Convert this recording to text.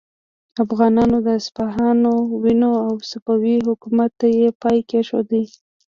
افغانانو اصفهان ونیو او صفوي حکومت ته یې پای کیښود.